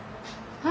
はい。